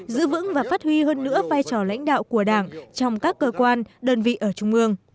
giữ vững và phát huy hơn nữa vai trò lãnh đạo của đảng trong các cơ quan đơn vị ở trung ương